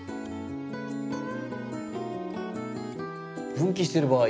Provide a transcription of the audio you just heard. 分岐してる場合。